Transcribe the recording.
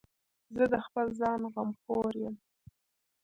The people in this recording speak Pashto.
زه د خپل ځان غمخور یم.